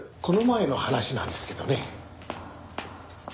この前の話なんですけどね。